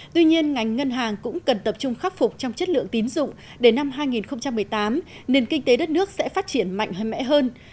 tuy nhiên ngành ngân hàng cũng cần tập trung khắc phục trong chất lượng tín dụng để năm hai nghìn một mươi tám nền kinh tế đất nước sẽ phát triển mạnh hơn mẽ hơn